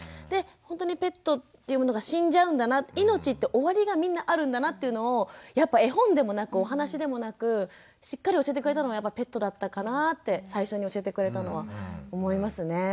でほんとにペットっていうものが死んじゃうんだな命って終わりがみんなあるんだなっていうのをやっぱ絵本でもなくお話でもなくしっかり教えてくれたのがやっぱペットだったかなぁって最初に教えてくれたのは思いますね。